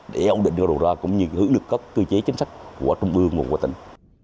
để ổn định được đồ ra cũng như hữu được các cơ chế chính sách của trung ương của tỉnh